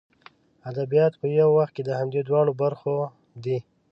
ادبیات په یو وخت کې د همدې دواړو برخو دي.